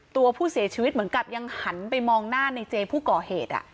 ตัวผู้เสียชีวิตเหมือนกับยังหันไปมองหน้าในเจผู้ก่อเหตุ